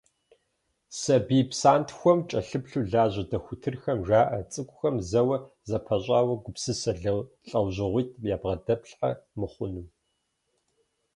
Сабий псантхуэм кӏэлъыплъу лажьэ дохутырхэм жаӏэ цӏыкӏухэм зэуэ зэпэщӏэуэ гупсысэ лӏэужьыгъуитӏ ябгъэдэплъхьэ мыхъуну.